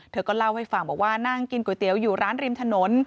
เธอก็เล่าให้ฟังบอกว่านั่งกินก๋วยเตี๋ยวอยู่ร้านริมถนน